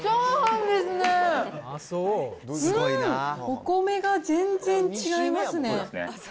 お米が全然違いますね。